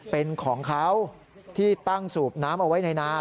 เป็นของเขาที่ตั้งสูบน้ำเอาไว้ในนา